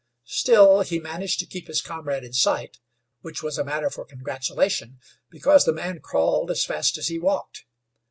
Still, he managed to keep his comrade in sight, which was a matter for congratulation, because the man crawled as fast as he walked.